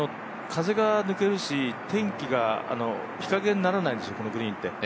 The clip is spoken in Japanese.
風が抜けるし天気が日影にならないんですよ、このグリーンって。